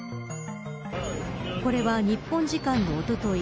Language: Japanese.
これは日本時間のおととい